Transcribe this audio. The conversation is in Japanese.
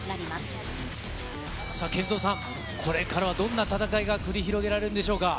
ＫＥＮＺＯさん、これからはどんな戦いが繰り広げられるんでしょうか。